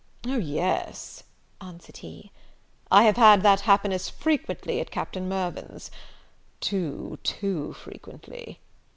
"O yes," answered he, "I have had that happiness frequently at Captain Mirvan's. Too, too frequently!"